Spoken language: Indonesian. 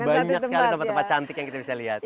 banyak sekali tempat tempat cantik yang kita bisa lihat